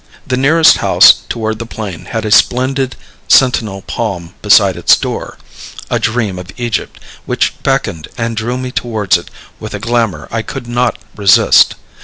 The nearest house toward the plain had a splendid sentinel palm beside its door, a dream of Egypt, which beckoned and drew me towards it with a glamour I could not resist.